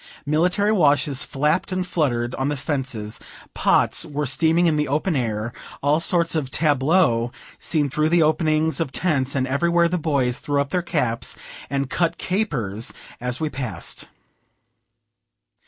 Military washes flapped and fluttered on the fences; pots were steaming in the open air; all sorts of tableaux seen through the openings of tents, and everywhere the boys threw up their caps and cut capers as we passed.